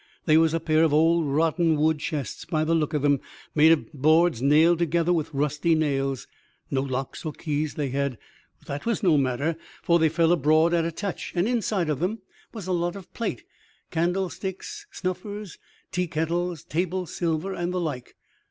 They was a pair of old rotten wood chests, by the look of them, made of boards nailed together with rusty nails. No locks or keys they had; but that was no matter, for they fell abroad at a touch, and inside of them was a lot of plate candlesticks, snuffers, tea kettles, table silver, and the like.